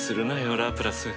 ラプラス。